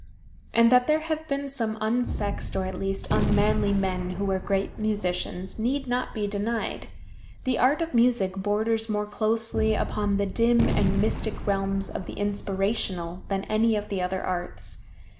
And that there have been some unsexed, or at least unmanly men, who were great musicians, need not be denied. The art of music borders more closely upon the dim and mystic realms of the inspirational than any of the other arts.